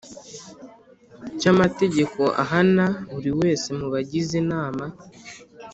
Cy amategeko ahana buri wese mu bagize inama